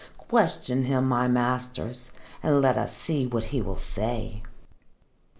Question him, my masters, and let us see what he will say."